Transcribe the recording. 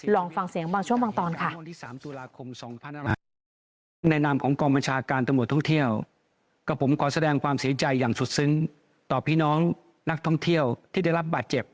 ลองฟังเสียงบางช่วงบางตอนค่ะ